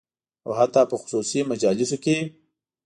او حتی په خصوصي مجالسو کې